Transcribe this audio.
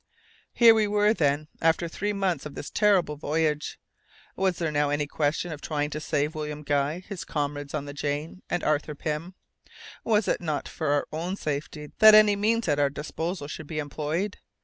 Here we were, then, after three months of this terrible voyage! Was there now any question of trying to save William Guy, his comrades on the Jane, and Arthur Pym? Was it not for our own safety that any means at our disposal should be employed?